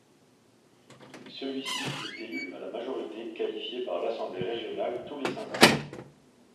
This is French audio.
Celui-ci est élu à la majorité qualifiée par l'assemblée régionale tous les cinq ans.